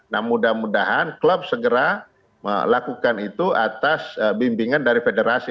nah mudah mudahan klub segera melakukan itu atas bimbingan dari federasi